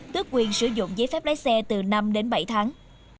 tước quyền sử dụng giấy phép lái xe từ năm đến bảy tháng